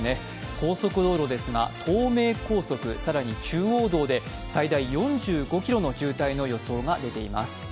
高速道路ですが東名高速、更に中央道で最大４５ｋｍの渋滞の予想が出ています。